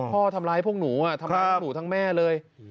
พ่อทำร้ายพวกหนูทำร้ายพวกหนูทั้งแม่เลย